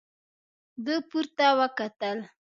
ده پورته وکتل.